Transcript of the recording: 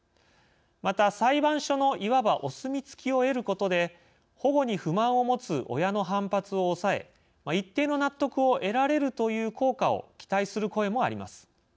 また、裁判所のいわばお墨付きを得ることで保護に不満を持つ親の反発を抑え一定の納得を得られるという効果を期待する声もあります。